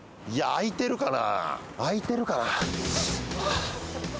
開いてるかな？